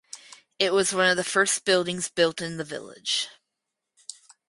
It was one of the first buildings built in the village.